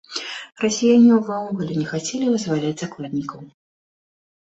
Расіяне ўвогуле не хацелі вызваляць закладнікаў.